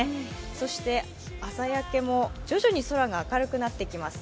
そして朝焼けも徐々に空が明るくなってきます。